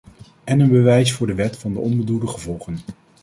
En een bewijs voor de wet van de onbedoelde gevolgen.